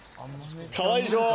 かわいいでしょ。